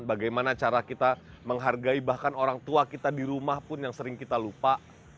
bagaimana cara kita menghargai bahkan orang tua kita di rumah pun yang sering kita lupa